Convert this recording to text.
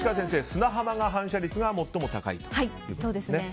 砂浜が反射率が最も高いということですね。